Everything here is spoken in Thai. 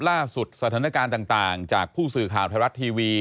สถานการณ์ต่างจากผู้สื่อข่าวไทยรัฐทีวี